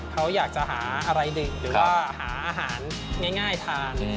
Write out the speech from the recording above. เขาอยากจะหาอะไรหนึ่งหรือว่าหาอาหารง่ายทาน